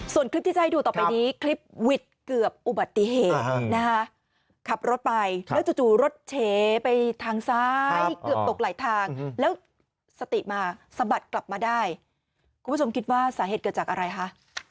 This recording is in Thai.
ส่วนคลิปที่จะให้ดูต่อไปนี้คลิปวิดเกือบอุบัติเหตุนะคะขับรถไปแล้วจู่รถเฉไปทางซ้ายเกือบตกไหลทางแล้วสติมาสะบัดกลับมาได้คุณผู้ชมคิดว่าสาเหตุเกิดจากอะไรคะ